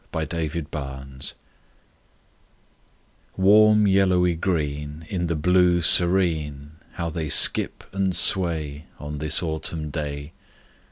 THE UPPER BIRCH LEAVES Warm yellowy green In the blue serene, How they skip and sway On this autumn day!